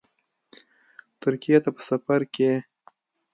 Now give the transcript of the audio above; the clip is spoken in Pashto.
ترکیې ته په سفرکې